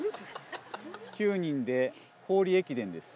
９人で氷駅伝です。